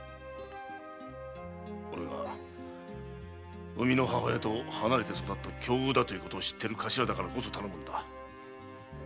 俺が生みの母親と離れて育った境遇だと知っている頭だからこそ頼むんだ。